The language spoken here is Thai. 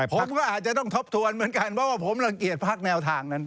ผมก็อาจจะต้องทบทวนเหมือนกันเพราะว่าผมรังเกียจพักแนวทางนั้น